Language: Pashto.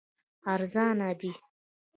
ارزانه دي.